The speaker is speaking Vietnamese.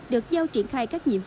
đạt trên sáu mươi năm tấn